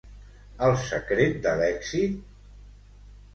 El secret de l'èxit?